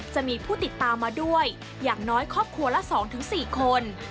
จะมีผู้ติดตามมาด้วยอย่างน้อยครอบครัวละ๒๔คน